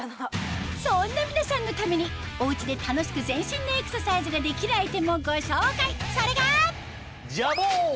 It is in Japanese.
そんな皆さんのためにお家で楽しく全身のエクササイズができるアイテムをご紹介それがＪａｂｏｏｏｎ？